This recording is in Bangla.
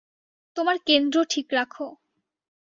তোমার কেন্দ্র ঠিক রাখো।